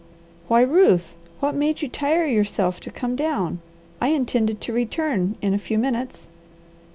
"Why Ruth, what made you tire yourself to come down? I intended to return in a few minutes."